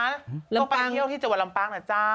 ก็ไปเที่ยวที่จัวร์ลำปังเหนะเจ้า